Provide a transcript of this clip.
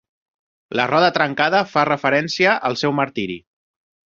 La roda trencada fa referència al seu martiri.